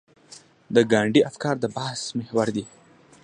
د ګاندي افکار د بحث محور دي.